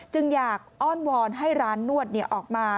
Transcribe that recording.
จึงอยากอ้อนวอนให้ร้านนวดออกมา